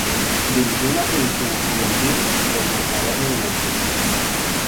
Dirigió una producción estudiantil de El mercader de Venecia.